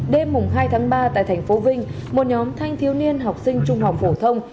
đêm hai ba tại tp vinh một nhóm thanh thiếu niên học sinh trung học phổ thông